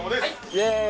イエーイ！